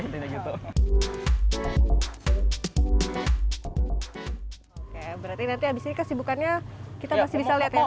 oke berarti nanti abis ini kesibukannya kita masih bisa lihat ya